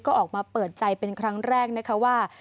ก็ออกมาเปิดใจเป็นครั้งแรกนะคะว่า